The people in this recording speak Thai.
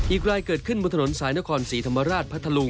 อีกรายเกิดขึ้นบนถนนสายนครศรีธรรมราชพัทธลุง